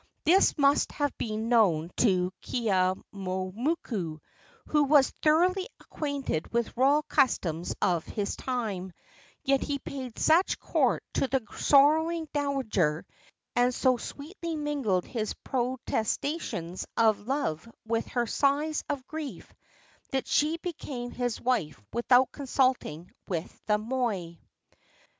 This must have been known to Keeaumoku, who was thoroughly acquainted with royal customs of his time; yet he paid such court to the sorrowing dowager, and so sweetly mingled his protestations of love with her sighs of grief, that she became his wife without consulting with the moi.